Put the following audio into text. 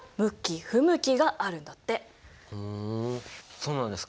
そうなんですか？